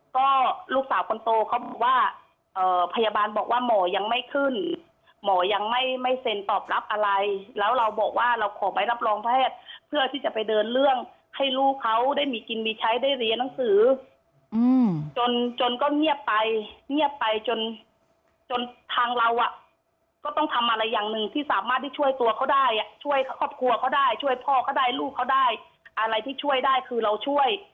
ก็ลูกสาวคนโตเขาบอกว่าพยาบาลบอกว่าหมอยังไม่ขึ้นหมอยังไม่เซ็นตอบรับอะไรแล้วเราบอกว่าเราขอใบรับรองแพทย์เพื่อที่จะไปเดินเรื่องให้ลูกเขาได้มีกินมีใช้ได้เรียนหนังสือจนจนก็เงียบไปเงียบไปจนจนทางเราอ่ะก็ต้องทำอะไรอย่างหนึ่งที่สามารถที่ช่วยตัวเขาได้ช่วยครอบครัวเขาได้ช่วยพ่อเขาได้ลูกเขาได้อะไรที่ช่วยได้คือเราช่วย